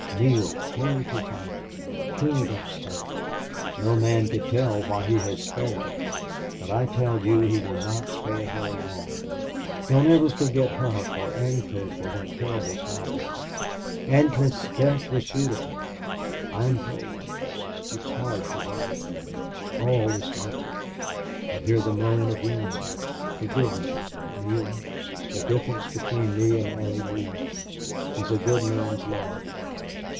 Neale, hurry to find her. Kill that Spaniard. No man could tell why he has spared her, but I tell you he will not spare her long. Don't ever forget Hough or Ancliffe or that terrible cowboy. Ancliffe's death was beautiful. I am cold. It's hard to write. All is darkening. I hear the moan of wind. Forgive me! Neale, the difference between me and Allie Lee is a good man's love.